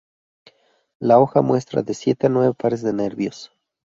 La hoja muestra de siete a nueve pares de nervios.